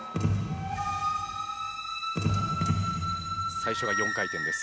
最初は４回転です。